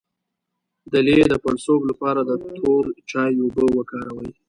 د لۍ د پړسوب لپاره د تور چای اوبه وکاروئ